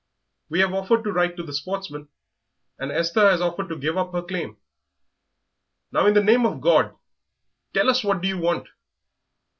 We have offered to write to the Sportsman, and Esther has offered to give up her claim. Now, in the name of God, tell us what do you want?"